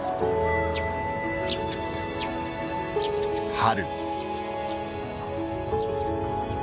春。